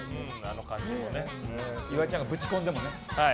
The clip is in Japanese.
岩井ちゃんがぶち込んでもね。